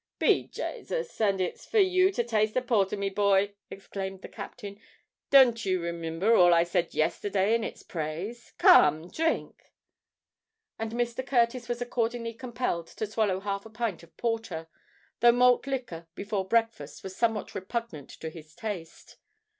"Be Jasus! and it's for you to taste the porther, me boy!" exclaimed the captain. "Don't you remimber all I said yesterday in its praise? Come—dhrink!" And Mr. Curtis was accordingly compelled to swallow half a pint of porter, though malt liquor before breakfast was somewhat repugnant to his taste.